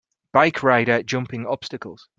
Bike rider jumping obstacles.